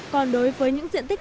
còn đối với những diện tích